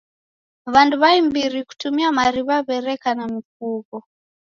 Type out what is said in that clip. W'andu w'aimbiri kutumia mariw'a w'ereka na mifugho.